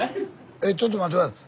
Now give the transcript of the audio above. えちょっと待って下さい。